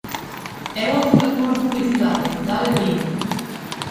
É o azul a cor da felicidade, da alegría?